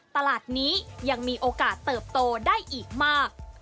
ตลาดนี้ยังมีโอกาสเติบโตได้อีกมาก